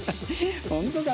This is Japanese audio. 本当かな？